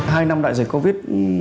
hai năm đại dịch covid